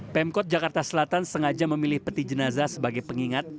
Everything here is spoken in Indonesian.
pemkot jakarta selatan sengaja memilih peti jenazah sebagai pengingat